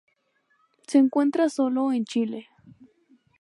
Se encuentra sólo en Chile.